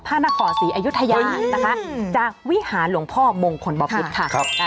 พระนครศรีอยุธยานะคะจากวิหารหลวงพ่อมงคลบพิษค่ะ